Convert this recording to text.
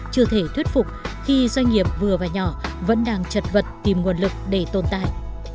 chưa thể thuyết phục khi doanh nghiệp vừa và nhỏ vẫn đang chật vật tìm nguồn lực để tồn tại